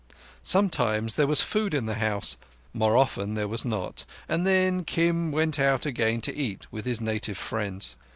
Sometimes there was food in the house, more often there was not, and then Kim went out again to eat with his native friends.